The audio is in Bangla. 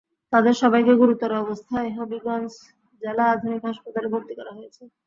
তাঁদের সবাইকে গুরুতর অবস্থায় হবিগঞ্জ জেলা আধুনিক হাসপাতালে ভর্তি করা হয়েছে।